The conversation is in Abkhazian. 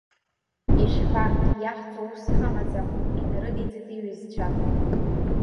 Ишәҳәа, иаҳӡо ус ҳамаӡам, инарыдиҵеит иҩызцәа.